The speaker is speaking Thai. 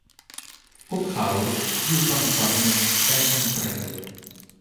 พวกเขาอยู่ฝั่งขวามือด้านข้างประดู